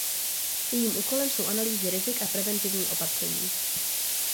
Jejím úkolem jsou analýzy rizik a preventivní opatření.